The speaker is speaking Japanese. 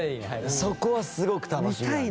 そこはすごく楽しみ。